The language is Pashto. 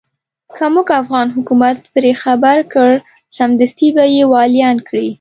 که موږ افغان حکومت پرې خبر کړ سمدستي به يې واليان کړي.